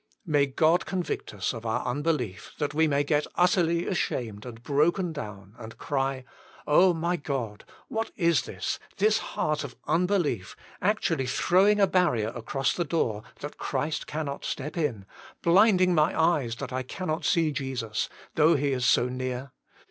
May God convict us of our un belief that we may get utterly ashamed and broken down, and cry, '' Oh, my God, what is this, this heart of unbelief actually throwing a barrier across the door that Christ cannot step in, blind ing my eyes that I cannot see Jesus, though he is so near?